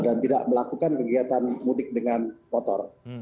dan tidak melakukan kegiatan mudik dengan motor